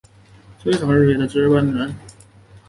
封测厂日月光半导体公司之创办人。